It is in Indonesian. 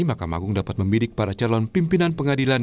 mahkamah agung dapat membidik para calon pimpinan pengadilan